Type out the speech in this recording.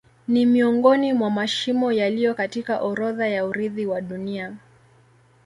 Ni miongoni mwa mashimo yaliyo katika orodha ya urithi wa Dunia.